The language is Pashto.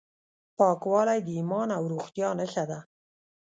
پاکوالی د ایمان او روغتیا نښه ده.